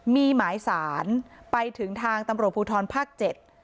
มีหมายสารไปถึงทางตำรวจภูทรภาคเจ็ด